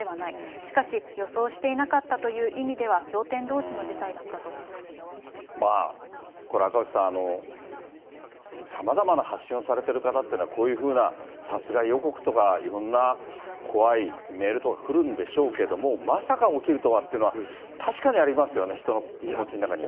しかし、予想していなかったという意味では、これ、赤星さん、さまざまな発信をされてる方っていうのは、こういうふうな殺害予告とか、いろんな怖いメールとか来るんでしょうけども、まさか起きるとはっていうのは、確かにありますよね、人の気持ちの中には。